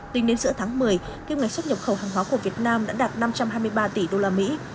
tính đến giữa tháng một mươi kim ngạch xuất nhập khẩu hàng hóa của việt nam đã đạt năm trăm hai mươi ba tỷ usd